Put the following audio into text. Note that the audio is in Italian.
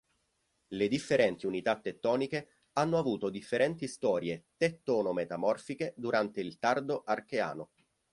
Le differenti unità tettoniche hanno avuto differenti storie tettonometamorfiche durante il tardo Archeano.